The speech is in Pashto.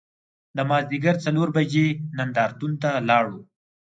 د مازدیګر څلور بجې نندار تون ته لاړو.